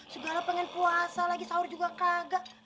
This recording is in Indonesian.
segala pengen puasa lagi sahur juga kagak